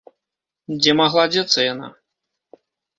Дзе магла дзецца яна?